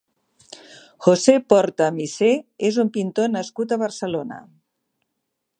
José Porta Missé és un pintor nascut a Barcelona.